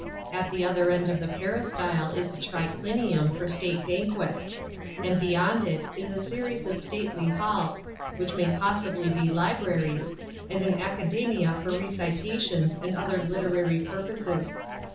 At the other end of the peristyle is the triclinium, for state banquets; and beyond it a series of stately halls, which may possibly be libraries, and an Acidemia for recitations and other literary purposes.